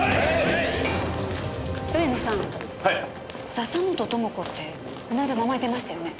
笹本智子ってこの間名前出ましたよね？